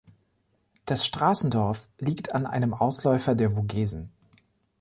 Das Straßendorf liegt an einem Ausläufer der Vogesen.